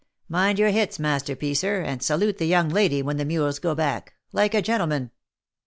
Mind your hits, Master Piecer, and salute the young lady when the mules go back, like a gentleman."